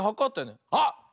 あっ！